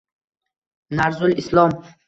«Nazrul Islom —